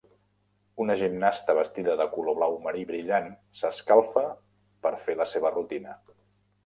Una gimnasta vestida de color blau marí brillant s'escalfa per fer la seva rutina